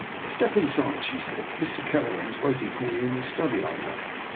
" Step inside," she said; " Mr. Kelleran's waiting for you in the study, I know."